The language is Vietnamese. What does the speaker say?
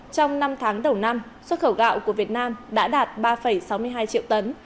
trong năm tháng đầu năm xuất khẩu gạo của việt nam đã đạt ba sáu mươi hai triệu tấn